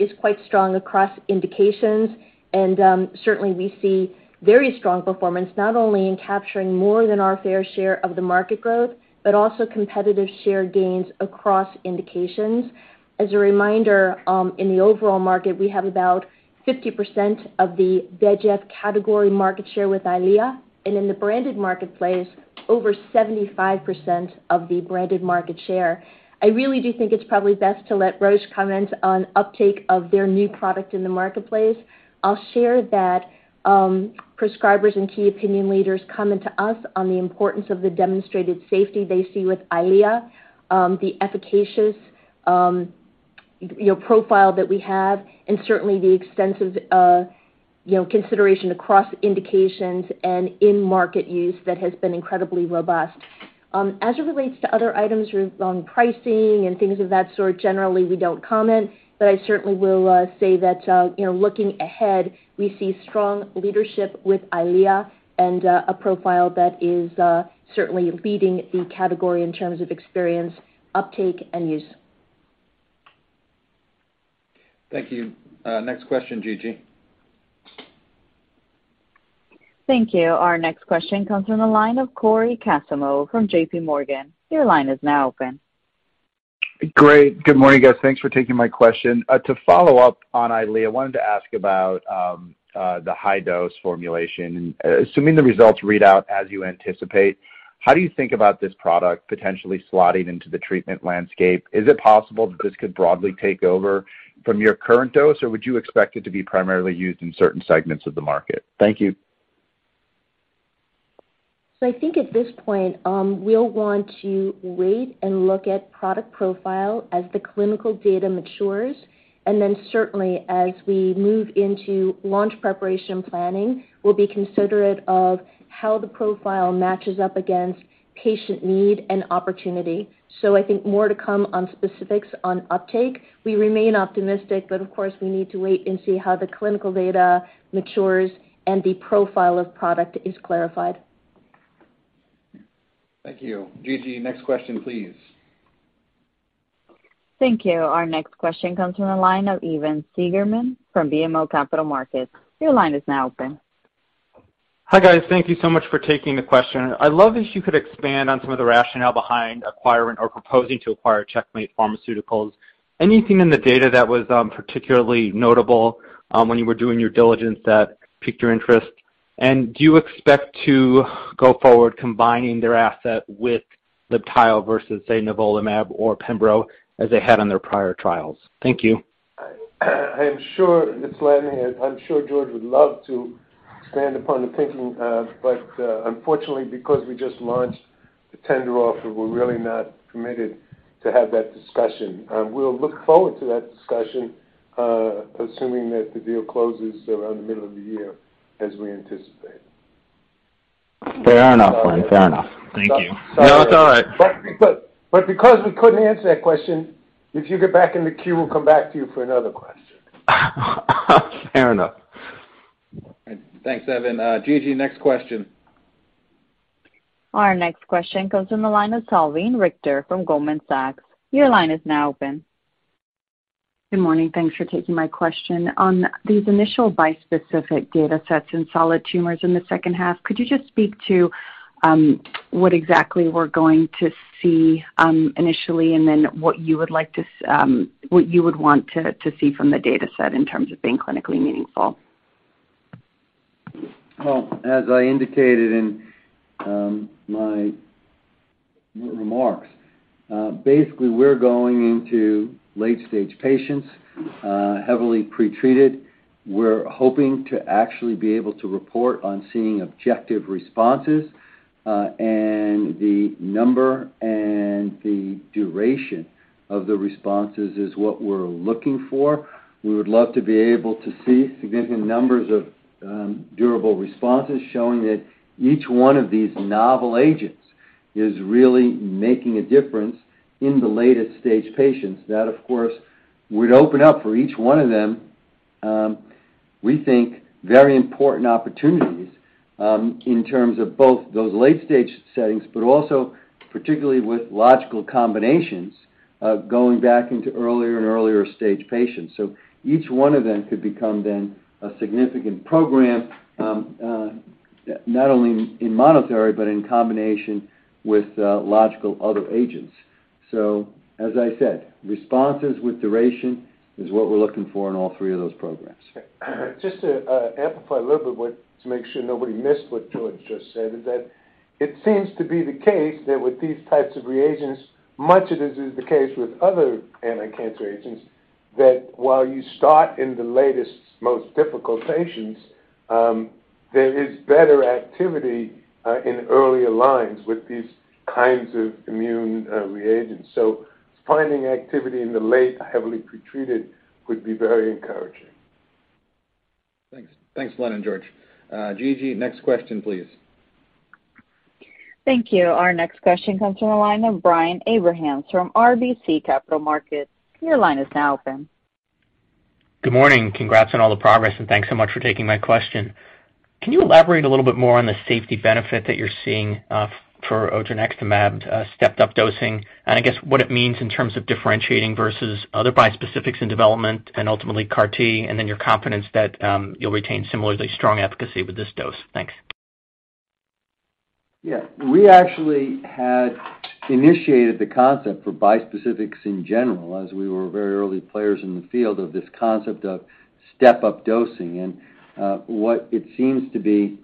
is quite strong across indications. Certainly we see very strong performance, not only in capturing more than our fair share of the market growth, but also competitive share gains across indications. As a reminder, in the overall market, we have about 50% of the anti-VEGF category market share with EYLEA, and in the branded marketplace, over 75% of the branded market share. I really do think it's probably best to let Roche comment on uptake of their new product in the marketplace. I'll share that, prescribers and key opinion leaders comment to us on the importance of the demonstrated safety they see with EYLEA, the efficacious, you know, profile that we have, and certainly the extensive, you know, consideration across indications and in-market use that has been incredibly robust. As it relates to other items on pricing and things of that sort, generally, we don't comment. I certainly will say that, you know, looking ahead, we see strong leadership with EYLEA and, a profile that is, certainly leading the category in terms of experience, uptake, and use. Thank you. Next question, Gigi. Thank you. Our next question comes from the line of Cory Kasimov from JP Morgan. Your line is now open. Great. Good morning, guys. Thanks for taking my question. To follow up on EYLEA, I wanted to ask about the high dose formulation. Assuming the results read out as you anticipate, how do you think about this product potentially slotting into the treatment landscape? Is it possible that this could broadly take over from your current dose, or would you expect it to be primarily used in certain segments of the market? Thank you. I think at this point, we'll want to wait and look at product profile as the clinical data matures, and then certainly as we move into launch preparation planning, we'll be considerate of how the profile matches up against patient need and opportunity. I think more to come on specifics on uptake. We remain optimistic, but of course, we need to wait and see how the clinical data matures and the profile of product is clarified. Thank you. Gigi, next question, please. Thank you. Our next question comes from the line of Evan Seigerman from BMO Capital Markets. Your line is now open. Hi, guys. Thank you so much for taking the question. I'd love if you could expand on some of the rationale behind acquiring or proposing to acquire Checkmate Pharmaceuticals. Anything in the data that was particularly notable when you were doing your diligence that piqued your interest? Do you expect to go forward combining their asset with Libtayo versus, say, Nivolumab or Pembrolizumab as they had on their prior trials? Thank you. I'm sure it's Len here. I'm sure George would love to expand upon the thinking, but unfortunately, because we just launched the tender offer, we're really not permitted to have that discussion. We'll look forward to that discussion, assuming that the deal closes around the middle of the year as we anticipate. Fair enough, Len. Fair enough. Thank you. Sorry. No, it's all right. Because we couldn't answer that question, if you get back in the queue, we'll come back to you for another question. Fair enough. Thanks, Evan. Gigi, next question. Our next question comes from the line of Salveen Richter from Goldman Sachs. Your line is now open. Good morning. Thanks for taking my question. On these initial bispecific data sets in solid tumors in the H2, could you just speak to what exactly we're going to see initially, and then what you would want to see from the data set in terms of being clinically meaningful? Well, as I indicated in my remarks, basically we're going into late stage patients, heavily pretreated. We're hoping to actually be able to report on seeing objective responses, and the number and the duration of the responses is what we're looking for. We would love to be able to see significant numbers of durable responses showing that each one of these novel agents is really making a difference in the latest stage patients. That, of course, would open up for each one of them, we think very important opportunities, in terms of both those late stage settings, but also particularly with logical combinations, going back into earlier and earlier stage patients. Each one of them could become then a significant program, not only in monotherapy, but in combination with logical other agents. as I said, responses with duration is what we're looking for in all three of those programs. Just to amplify a little bit what to make sure nobody missed what George just said, is that it seems to be the case that with these types of reagents, much of this is the case with other anti-cancer agents, that while you start in the latest, most difficult patients, there is better activity in earlier lines with these kinds of immune reagents. Finding activity in the late heavily pretreated would be very encouraging. Thanks. Thanks, Len and George. Gigi, next question, please. Thank you. Our next question comes from the line of Brian Abrahams from RBC Capital Markets. Your line is now open. Good morning. Congrats on all the progress, and thanks so much for taking my question. Can you elaborate a little bit more on the safety benefit that you're seeing for odronextamab's stepped-up dosing, and I guess what it means in terms of differentiating versus other bispecifics in development and ultimately CAR T, and then your confidence that you'll retain similarly strong efficacy with this dose? Thanks. Yeah. We actually had initiated the concept for bispecifics in general, as we were very early players in the field, of this concept of step-up dosing. What it seems to be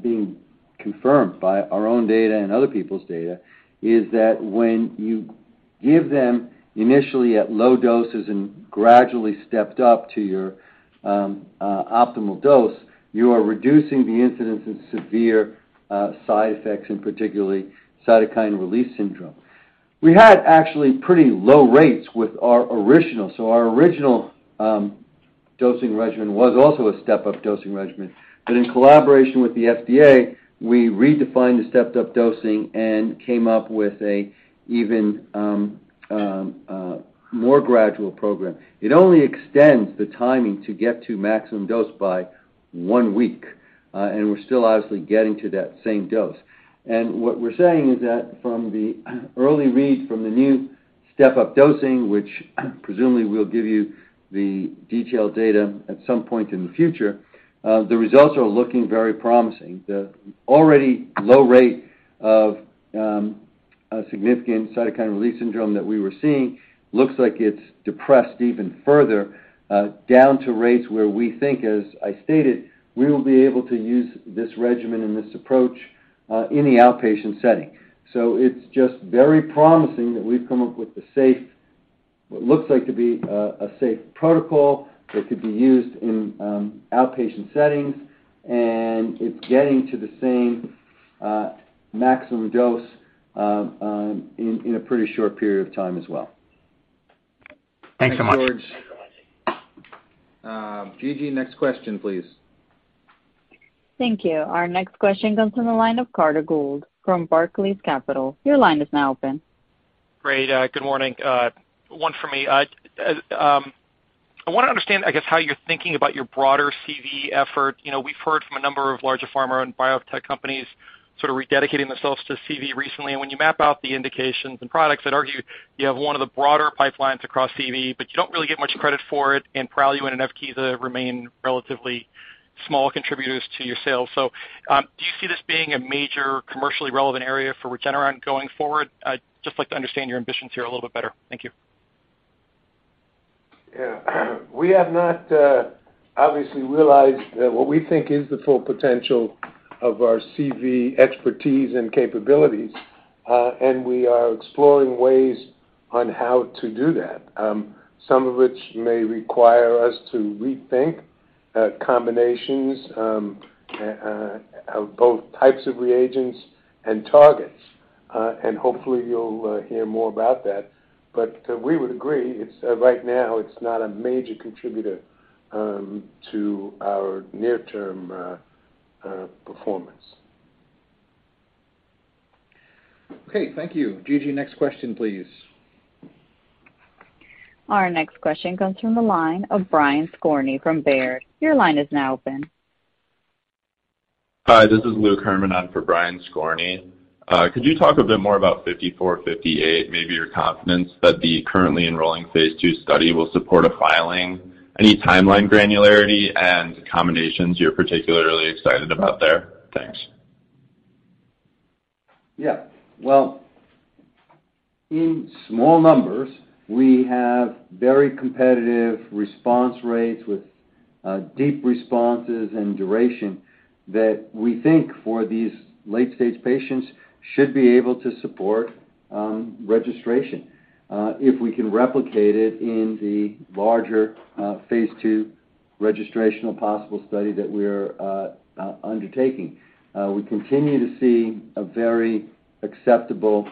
being confirmed by our own data and other people's data is that when you give them initially at low doses and gradually stepped up to your optimal dose, you are reducing the incidence of severe side effects, and particularly cytokine release syndrome. We had actually pretty low rates with our original. Our original dosing regimen was also a step-up dosing regimen. In collaboration with the FDA, we redefined the stepped-up dosing and came up with an even more gradual program. It only extends the timing to get to maximum dose by one week, and we're still obviously getting to that same dose. What we're saying is that from the early read from the new step-up dosing, which presumably we'll give you the detailed data at some point in the future, the results are looking very promising. The already low rate of significant cytokine release syndrome that we were seeing looks like it's depressed even further, down to rates where we think, as I stated, we will be able to use this regimen and this approach, in the outpatient setting. It's just very promising that we've come up with a safe, what looks like to be a safe protocol that could be used in outpatient settings, and it's getting to the same maximum dose, in a pretty short period of time as well. Thanks so much. Thanks, George. Gigi, next question, please. Thank you. Our next question comes from the line of Carter Gould from Barclays Capital. Your line is now open. Great. Good morning. One for me. I wanna understand, I guess, how you're thinking about your broader CV effort. You know, we've heard from a number of larger pharma and biotech companies sort of rededicating themselves to CV recently. When you map out the indications and products, I'd argue you have one of the broader pipelines across CV, but you don't really get much credit for it, and Praluent and Evkeeza remain relatively small contributors to your sales. Do you see this being a major commercially relevant area for Regeneron going forward? I'd just like to understand your ambitions here a little bit better. Thank you. Yeah. We have not obviously realized what we think is the full potential of our CV expertise and capabilities. We are exploring ways on how to do that, some of which may require us to rethink combinations of both types of reagents and targets. Hopefully you'll hear more about that. We would agree, it's right now not a major contributor to our near-term performance. Okay, thank you. Gigi, next question, please. Our next question comes from the line of Brian Skorney from Baird. Your line is now open. Hi, this is Luke Herrmann. I'm for Brian Skorney. Could you talk a bit more about 5458, maybe your confidence that the currently enrolling phase II study will support a filing? Any timeline granularity and combinations you're particularly excited about there? Thanks. Yeah. Well, in small numbers, we have very competitive response rates with deep responses and duration that we think for these late-stage patients should be able to support registration, if we can replicate it in the larger phase II registrational pivotal study that we're undertaking. We continue to see a very acceptable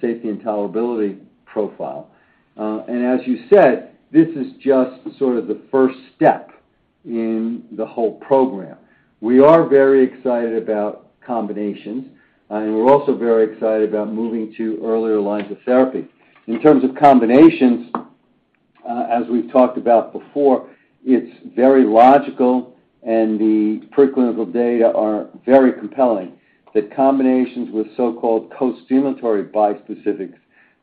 safety and tolerability profile. As you said, this is just sort of the first step in the whole program. We are very excited about combinations, and we're also very excited about moving to earlier lines of therapy. In terms of combinations, as we've talked about before, it's very logical and the preclinical data are very compelling that combinations with so-called costimulatory bispecifics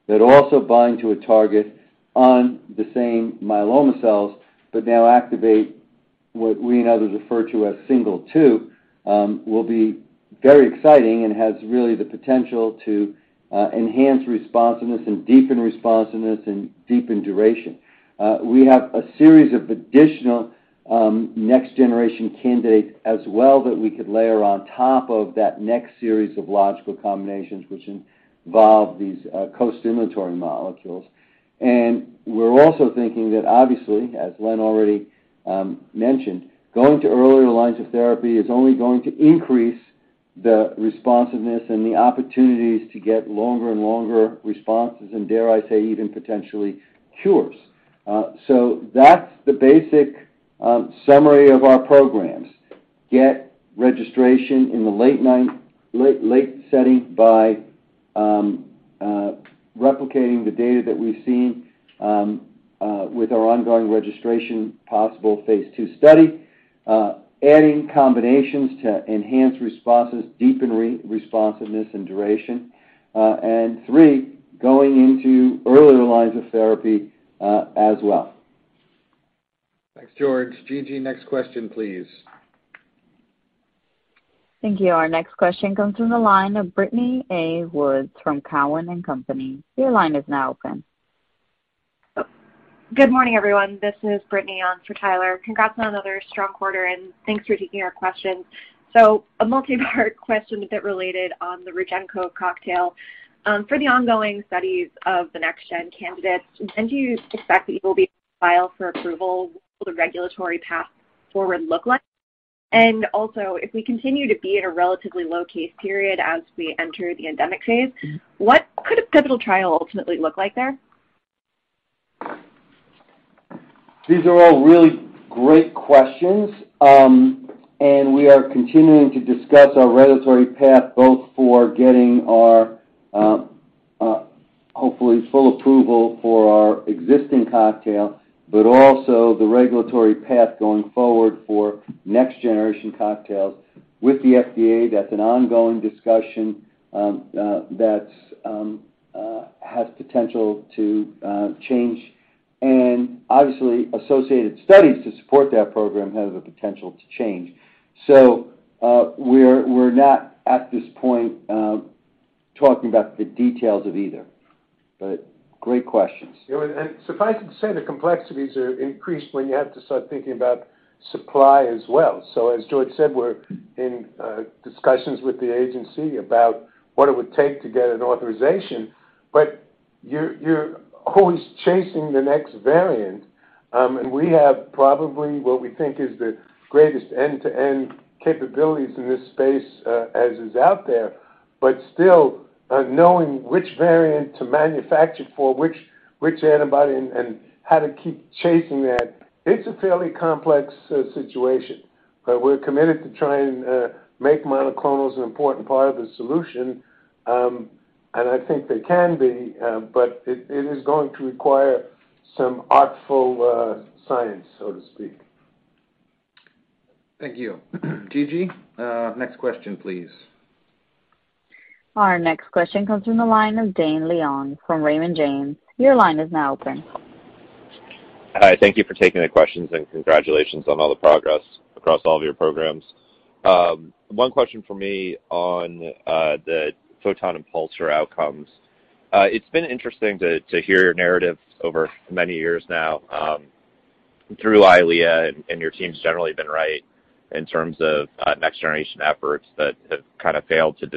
that also bind to a target on the same myeloma cells, but now activate what we and others refer to as signal 2, will be very exciting and has really the potential to, enhance responsiveness and deepen responsiveness and deepen duration. We have a series of additional, next generation candidates as well that we could layer on top of that next series of logical combinations which involve these, costimulatory molecules. We're also thinking that obviously, as Len already, mentioned, going to earlier lines of therapy is only going to increase the responsiveness and the opportunities to get longer and longer responses, and dare I say, even potentially cures. That's the basic summary of our programs. Get registration in the late-line setting by replicating the data that we've seen with our ongoing registrational phase II study, adding combinations to enhance responses, deepen responsiveness and duration, and three, going into earlier lines of therapy as well. Thanks, George. Gigi, next question, please. Thank you. Our next question comes from the line of Brittany Anne Woods from Cowen and Company. Your line is now open. Good morning, everyone. This is Brittany A. Woods on for Tyler. Congrats on another strong quarter, and thanks for taking our questions. A multi-part question a bit related on the REGEN-COV cocktail. For the ongoing studies of the next gen candidates, when do you expect that you will file for approval? What will the regulatory path forward look like? And also, if we continue to be in a relatively low case period as we enter the endemic phase. Mm-hmm. What could a pivotal trial ultimately look like there? These are all really great questions. We are continuing to discuss our regulatory path both for getting our hopefully full approval for our existing cocktail, but also the regulatory path going forward for next generation cocktails with the FDA. That's an ongoing discussion that has potential to change, and obviously associated studies to support that program have the potential to change. We're not at this point talking about the details of either, but great questions. You know, suffice it to say the complexities are increased when you have to start thinking about supply as well. As George said, we're in discussions with the agency about what it would take to get an authorization, but you're always chasing the next variant. We have probably what we think is the greatest end-to-end capabilities in this space as is out there. Still, knowing which variant to manufacture for which antibody and how to keep chasing that, it's a fairly complex situation. We're committed to trying to make monoclonals an important part of the solution. I think they can be, but it is going to require some artful science, so to speak. Thank you. Gigi, next question, please. Our next question comes from the line of Dane Leone from Raymond James. Your line is now open. Hi. Thank you for taking the questions, and congratulations on all the progress across all of your programs. One question from me on the PHOTON and PULSAR outcomes. It's been interesting to hear your narrative over many years now through EYLEA, and your team's generally been right in terms of next-generation efforts that have kinda failed to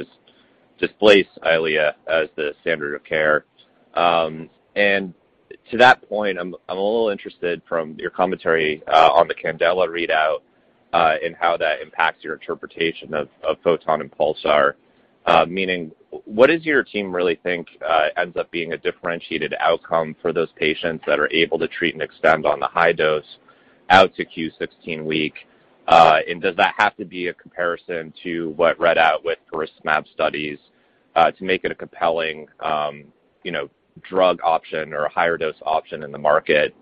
displace EYLEA as the standard of care. To that point, I'm a little interested from your commentary on the CANDELA readout, and how that impacts your interpretation of PHOTON and PULSAR. Meaning, what does your team really think ends up being a differentiated outcome for those patients that are able to treat and extend on the high dose out to Q16 week? Does that have to be a comparison to what read out with faricimab studies, to make it a compelling, you know, drug option or a higher dose option in the market,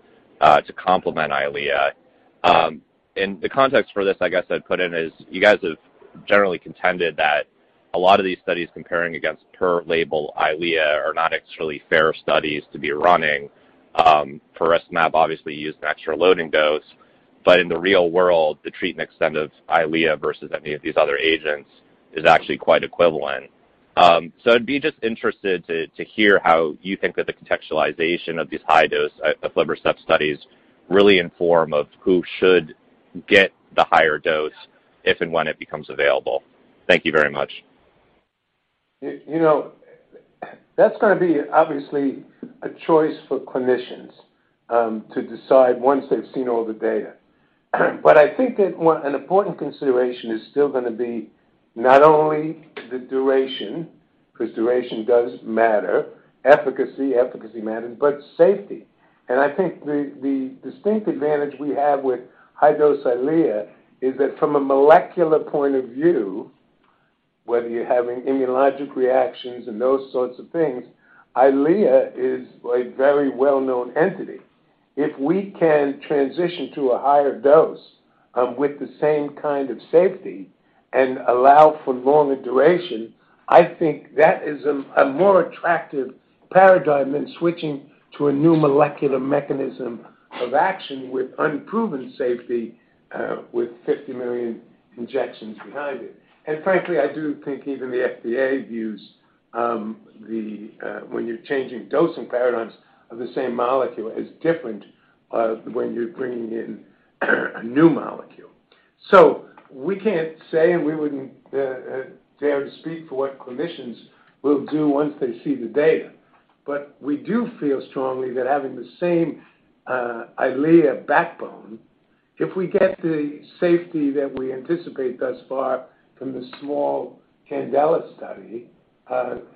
to complement EYLEA? The context for this, I guess I'd put in, is you guys have generally contended that a lot of these studies comparing against per label EYLEA are not actually fair studies to be running. Faricimab obviously used an extra loading dose. But in the real world, the treat and extend of EYLEA versus any of these other agents is actually quite equivalent. I'd be just interested to hear how you think that the contextualization of these high dose, aflibercept studies really inform of who should get the higher dose, if and when it becomes available. Thank you very much. You know, that's gonna be obviously a choice for clinicians to decide once they've seen all the data. I think that what an important consideration is still gonna be not only the duration, 'cause duration does matter, efficacy matters, but safety. I think the distinct advantage we have with high-dose EYLEA is that from a molecular point of view, whether you're having immunologic reactions and those sorts of things, EYLEA is a very well-known entity. If we can transition to a higher dose, with the same kind of safety and allow for longer duration, I think that is a more attractive paradigm than switching to a new molecular mechanism of action with unproven safety, with 50 million injections behind it. Frankly, I do think even the FDA views the when you're changing dosing paradigms of the same molecule is different from when you're bringing in a new molecule. We can't say, and we wouldn't dare to speak for what clinicians will do once they see the data. We do feel strongly that having the same EYLEA backbone, if we get the safety that we anticipate thus far from the small CANDELA study,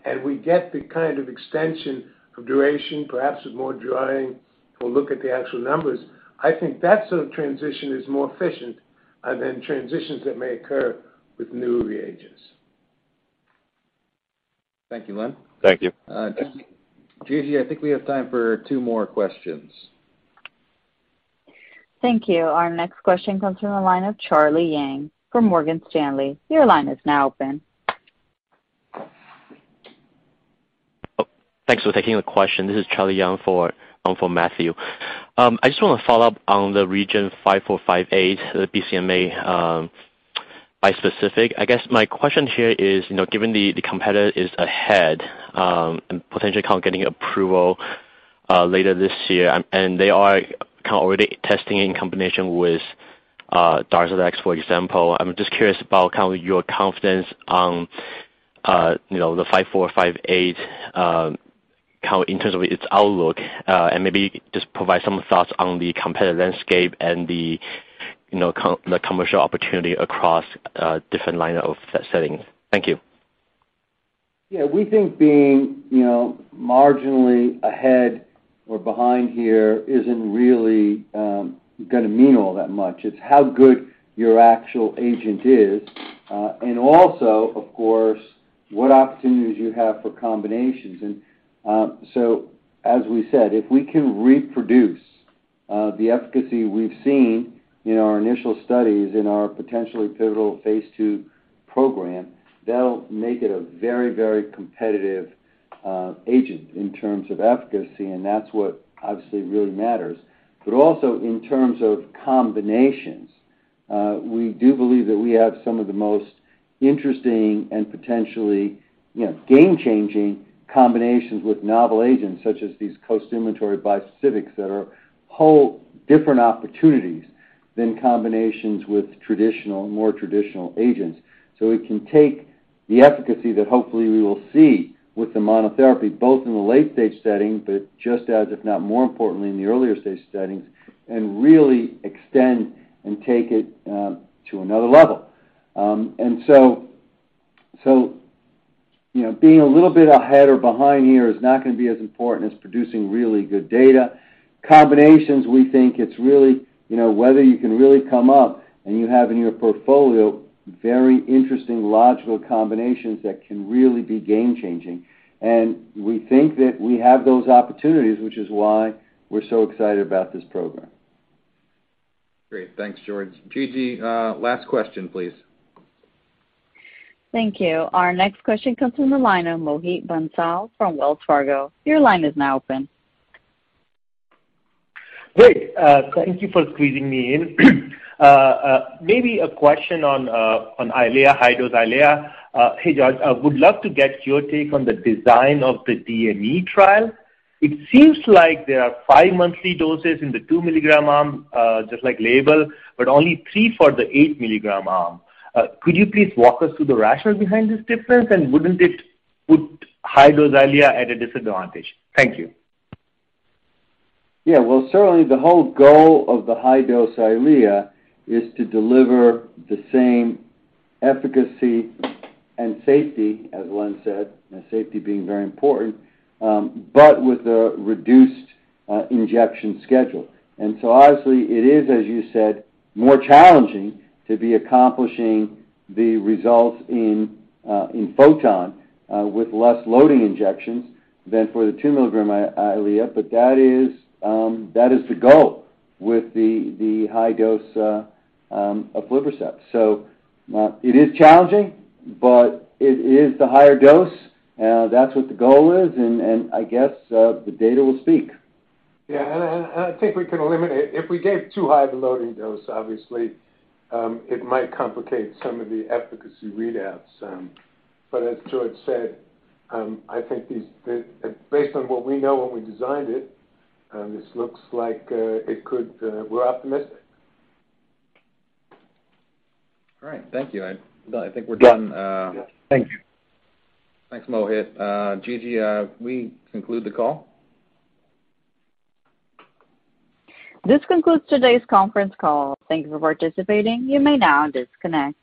and we get the kind of extension of duration, perhaps with more drying, we'll look at the actual numbers. I think that sort of transition is more efficient than transitions that may occur with newer agents. Thank you, Len. Thank you. Gigi, I think we have time for two more questions. Thank you. Our next question comes from the line of Charlie Yang from Morgan Stanley. Your line is now open. Oh, thanks for taking the question. This is Charlie Yang for Matthew. I just wanna follow up on the REGN5458, the BCMA bispecific. I guess my question here is, you know, given the competitor is ahead, and potentially could get approval later this year, and they are kind of already testing in combination with DARZALEX, for example. I'm just curious about kind of your confidence on, you know, the Fifty-Four Fifty-Eight, how in terms of its outlook. And maybe just provide some thoughts on the competitive landscape and the, you know, the commercial opportunity across a different line of settings. Thank you. Yeah. We think being, you know, marginally ahead or behind here isn't really gonna mean all that much. It's how good your actual agent is, and also of course, what opportunities you have for combinations. As we said, if we can reproduce the efficacy we've seen in our initial studies in our potentially pivotal phase II program, that'll make it a very, very competitive agent in terms of efficacy, and that's what obviously really matters. Also in terms of combinations, we do believe that we have some of the most interesting and potentially, you know, game-changing combinations with novel agents, such as these costimulatory bispecifics that are whole different opportunities than combinations with traditional, more traditional agents. We can take the efficacy that hopefully we will see with the monotherapy, both in the late-stage setting, but just as, if not more importantly, in the earlier stage settings, and really extend and take it to another level. You know, being a little bit ahead or behind here is not gonna be as important as producing really good data. Combinations, we think it's really, you know, whether you can really come up and you have in your portfolio very interesting logical combinations that can really be game changing. We think that we have those opportunities, which is why we're so excited about this program. Great. Thanks, George. Gigi, last question, please. Thank you. Our next question comes from the line of Mohit Bansal from Wells Fargo. Your line is now open. Great. Thank you for squeezing me in. Maybe a question on EYLEA, high dose EYLEA. Hey, George, I would love to get your take on the design of the DME trial. It seems like there are five monthly doses in the 2 mg arm, just like label, but only three for the 8 mg arm. Could you please walk us through the rationale behind this difference? Wouldn't it put high dose EYLEA at a disadvantage? Thank you. Yeah. Well, certainly the whole goal of the high dose EYLEA is to deliver the same efficacy and safety, as Len said, and safety being very important, but with a reduced injection schedule. Honestly it is, as you said, more challenging to be accomplishing the results in PHOTON with less loading injections than for the 2 mg EYLEA, but that is the goal with the high dose aflibercept. It is challenging, but it is the higher dose. That's what the goal is, and I guess the data will speak. I think we can eliminate. If we gave too high of a loading dose, obviously, it might complicate some of the efficacy readouts. As George said, I think based on what we know when we designed it, this looks like it could. We're optimistic. All right. Thank you. I think we're done. Yeah. Thank you. Thanks, Mohit. Gigi, can we conclude the call? This concludes today's conference call. Thank you for participating. You may now disconnect.